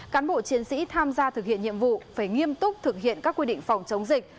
cán bộ chiến sĩ tham gia thực hiện nhiệm vụ phải nghiêm túc thực hiện các quy định phòng chống dịch